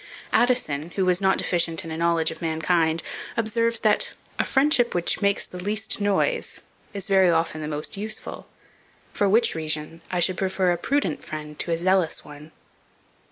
Addison, who was not deficient in a knowledge of mankind, observes that "a friendship, which makes the least noise, is very often the most useful; for which reason, I should prefer a prudent friend to a zealous one."